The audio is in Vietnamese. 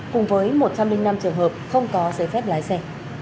cùng với một trăm linh năm trường hợp không có giấy phép lái xe